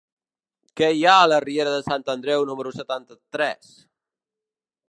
Què hi ha a la riera de Sant Andreu número setanta-tres?